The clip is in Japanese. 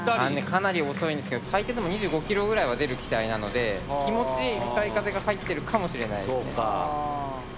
かなり遅いんですけど最低でも２５ｋｍ／ｈぐらいは出る機体なので気持ち向かい風が入ってるかもしれないですね。